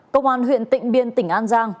cơ quan huyện tịnh biên tỉnh an giang